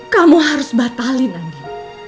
kamu harus batalin anggi